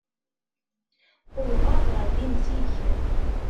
Uwḍeɣ ɣer din zik.